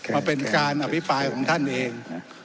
มาเป็นการอภิปรายของท่านเอง